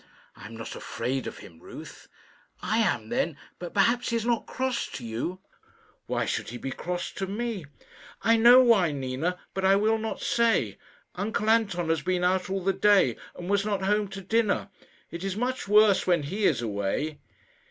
"I am not afraid of him. Ruth." "I am, then. But perhaps he is not cross to you." "Why should he be cross to me?" "I know why, Nina, but I will not say. Uncle Anton has been out all the day, and was not home to dinner. It is much worse when he is away."